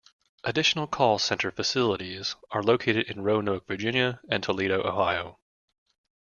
Additional call center facilities are located in Roanoke, Virginia and Toledo, Ohio.